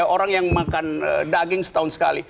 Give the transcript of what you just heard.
orang yang makan daging setahun sekali